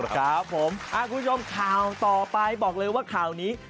ครับผมคุณผู้ชมข่าวต่อไปบอกเลยว่าข่าวนี้